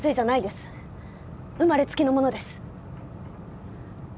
生まれつきのものです。